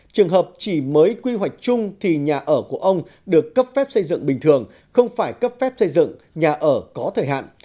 trường hợp chỉ mới quy hoạch chung thì nhà ở của ông được cấp phép xây dựng bình thường không phải cấp phép xây dựng nhà ở có thời hạn